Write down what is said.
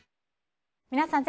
皆さん